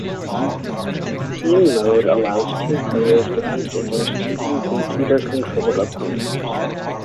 Team mode allows two players to face against two computer-controlled opponents.